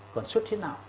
còn suốt thế nào